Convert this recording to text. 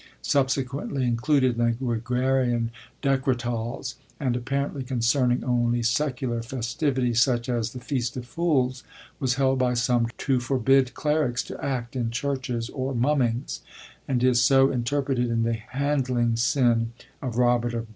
sub sequently included in the Gregorian Decretals, and apparently concerning only secular festivities such as the Feast of Fools, was held by some to forbid clerics to act in churches or mummings, and is so interpreted in the HancUyng Synne of Robert of Brunne (1308)